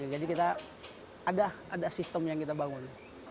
jadi kita ada sistem yang kita bangun